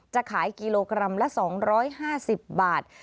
จะขายกิโลกรัมละ๒๕๐บาท